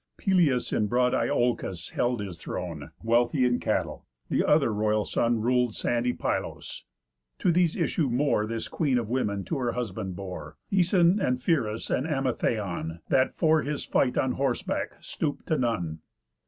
Pelias in broad Iolcus held his throne, Wealthy in cattle; th' other royal son Rul'd sandy Pylos. To these issue more This queen of women to her husband bore, Æson, and Pheres, and Amythaon That for his fight on horseback stoop'd to none.